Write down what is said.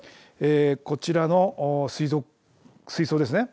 こちらの水槽ですね。